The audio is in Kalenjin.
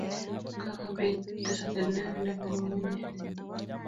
Kokobit tesatet neo nebo nyukunyeg